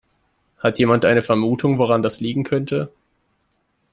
Hat jemand eine Vermutung, woran das liegen könnte?